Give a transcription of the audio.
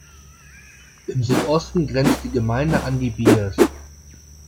Im Südosten grenzt die Gemeinde an die Birs.